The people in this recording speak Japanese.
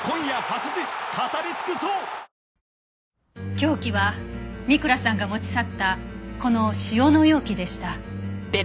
凶器は三倉さんが持ち去ったこの塩の容器でした。